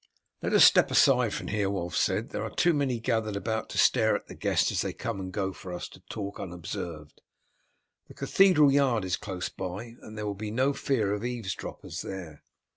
"Let us step aside from here," Wulf said. "There are too many gathered about to stare at the guests as they come and go for us to talk unobserved. The cathedral yard is close by, and there will be no fear of eaves droppers there."